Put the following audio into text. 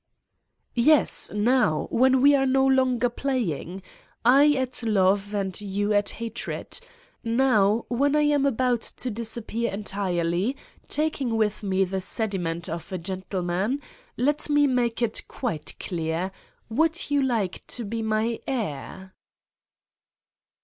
"Yes, now, when we are no longer playing: I at love and you at hatred. Now, when I am about to disappear entirely, taking with me the i sedi ment ' of a gentlemen? Let me make it quite clear: would you like to be my heir?"